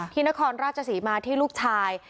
ที่นครราชสีมาที่ลูกชาย